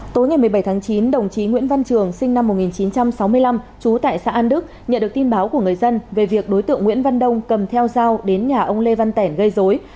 tối ngày một mươi bảy tháng chín đồng chí nguyễn văn trường sinh năm một nghìn chín trăm sáu mươi năm trú tại xã an đức nhận được tin báo của người dân về việc đối tượng nguyễn văn đông cầm theo dao đến nhà ông lê văn tẻn gây dối